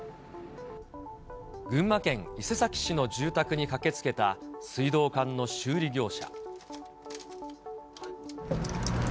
群馬県伊勢崎市の住宅に駆けつけた水道管の修理業者。